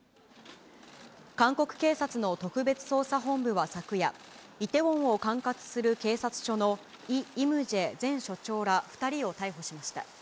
韓国警察の特別捜査本部は昨夜、イテウォンを管轄する警察署のイ・イムジェ前署長ら２人を逮捕しました。